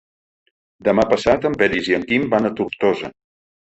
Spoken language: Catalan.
Demà passat en Peris i en Quim van a Tortosa.